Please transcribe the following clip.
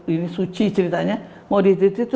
ini suci ceritanya mau ditititut